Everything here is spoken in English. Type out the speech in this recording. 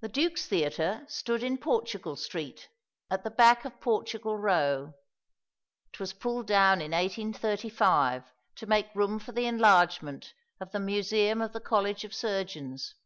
"The Duke's Theatre" stood in Portugal Street, at the back of Portugal Row. It was pulled down in 1835 to make room for the enlargement of the Museum of the College of Surgeons.